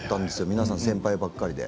皆さん先輩ばかりで。